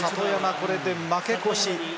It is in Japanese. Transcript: これで負け越し。